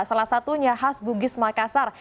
salah satunya khas bugis makassar